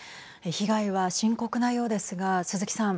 被害は深刻なようですが鈴木さん。